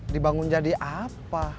dibangun jadi apa